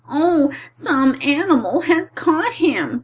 "Oh, some animal has caught him!"